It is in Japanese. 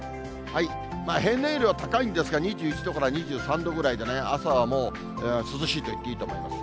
平年よりは高いんですが、２１度から２３度くらいでね、朝はもう、涼しいといっていいと思います。